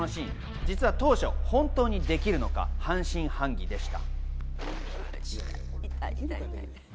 実は当初、本当にできるのか、半信半疑でした。